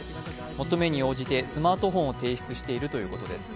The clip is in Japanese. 求めに応じてスマートフォンを提出しているということです。